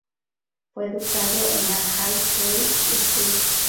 Fue educado en la Highgate School.